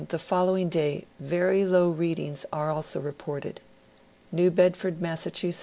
the following day, very low readings are also reported: New Bedford, Mass.